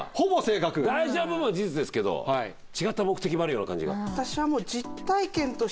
大事な部分は事実ですけど違った目的もあるような感じが。